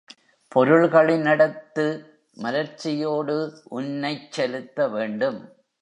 பொருள்களி னிடத்து மலர்ச்சியோடு உன்னைச் செலுத்தவேண்டும்.